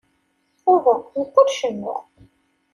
Uhu, nekk ur cennuɣ.